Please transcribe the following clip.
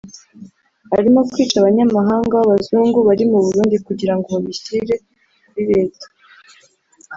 arimo kwica abanyamahanga b’abazungu bari mu Burundi kugirango babishyire kuri Leta